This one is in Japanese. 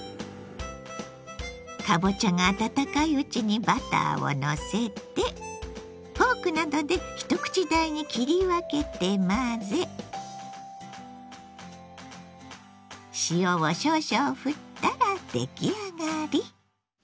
かぼちゃが温かいうちにバターをのせてフォークなどで一口大に切り分けて混ぜ塩を少々ふったら出来上がり。